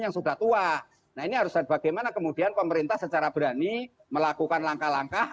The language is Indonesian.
yang sudah tua nah ini harus bagaimana kemudian pemerintah secara berani melakukan langkah langkah